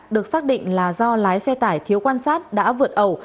được xác định là do lái xe tải thiếu quan sát đã vượt ẩu